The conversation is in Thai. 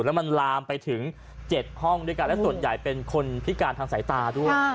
แล้วมันลามไปถึง๗ห้องด้วยกันและส่วนใหญ่เป็นคนพิการทางสายตาด้วย